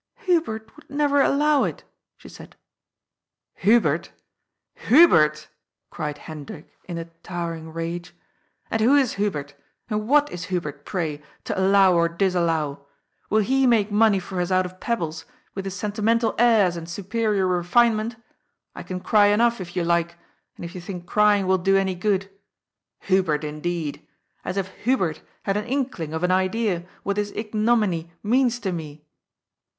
" Hubert would never allow it," she said. " Hubert ! Hubert !" cried Hendrik in a towering rage. NO THOBOUGHPABE, AND THE WAY OUT. 121 ^ And who is Hubert, and what is Hnbert, pray, to allow or disallow ? Will he make money for ns out of pebbles, with his sentimental airs and superior refinement? I can cry enough, if you like, and if you think crying will do any good. Hubert, indeed ! As if Hubert had an inkling of an idea what this ignominy means to me.''